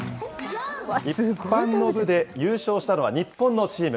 一般の部で優勝したのは日本のチーム。